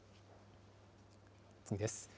次です。